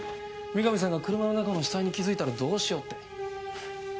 三上さんが車の中の死体に気づいたらどうしようって。